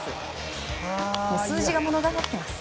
数字が物語ってますね。